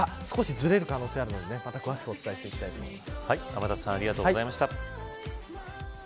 少しずれる可能性があるのでまた詳しくお伝えしたいと思います。